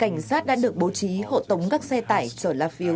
cảnh sát đã được bố trí hộ tống các xe tải trở lá phiếu